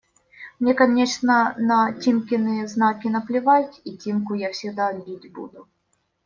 Мне, конечно, на Тимкины знаки наплевать, и Тимку я всегда бить буду…